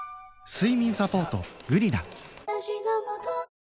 睡眠サポート「グリナ」